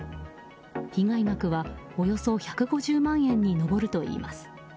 被害額はおよそ１５０万円に上るといいます。